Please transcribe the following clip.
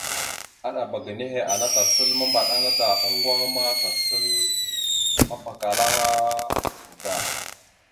Aɗaba ga nehe ana, tasal mambaɗa da, oŋgo aŋa vaɗ ma tasal mapakala aŋa da.